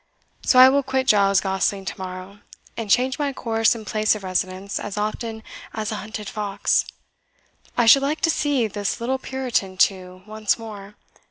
So I will quit Giles Gosling to morrow, and change my course and place of residence as often as a hunted fox. I should like to see this little Puritan, too, once more.